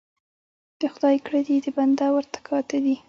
ـ د خداى کړه دي د بنده ورته کاته دي.